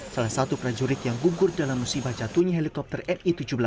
salah satu prajurit yang gugur dalam musibah jatuhnya helikopter ri tujuh belas